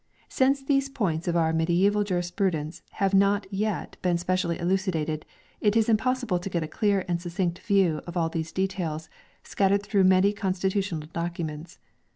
Since these points of our me diaeval jurisprudence have not yet been specially eluci dated, it is impossible to get a clear and succinct view of all these details, scattered through many constitu tional documents.